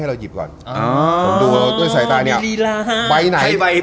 ให้เราหยิบก่อนอ๋อดูเอาตัวใส่ตอนนี้อะใบไหนไห้ใบ